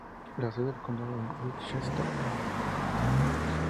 La sede del condado es Winchester.